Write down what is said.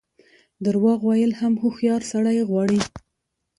درواغ ویل هم هوښیار سړی غواړي.